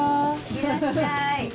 いらっしゃい！